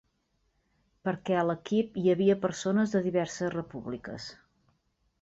Perquè a l'equip hi havia persones de diverses repúbliques.